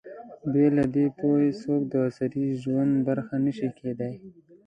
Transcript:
بې له دې پوهې، څوک د عصري ژوند برخه نه شي کېدای.